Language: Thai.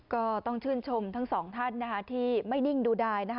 ก็ต้องชื่นชมทั้งสองท่านที่ไม่นิ่งดูดายนะคะ